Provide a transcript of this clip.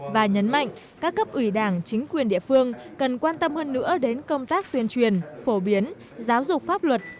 và nhấn mạnh các cấp ủy đảng chính quyền địa phương cần quan tâm hơn nữa đến công tác tuyên truyền phổ biến giáo dục pháp luật